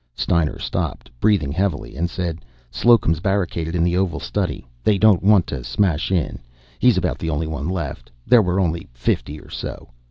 Steiner stopped, breathing heavily, and said: "Slocum's barricaded in the Oval Study. They don't want to smash in. He's about the only one left. There were only fifty or so.